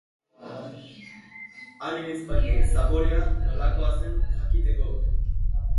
Haren ezpainen zaporea nolakoa zen jakiteko.